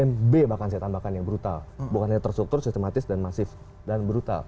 mb bahkan saya tambahkan yang brutal bukan hanya terstruktur sistematis dan masif dan brutal